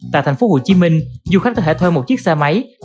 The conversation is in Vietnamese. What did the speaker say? tại thành phố hồ chí minh du khách có thể thuê một chiếc xe máy